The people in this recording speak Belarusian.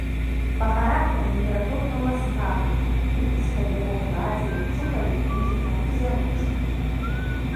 Па характары неверагодна ласкавы, любіць, каб яго гладзілі, чухалі пузіка і за вушкам.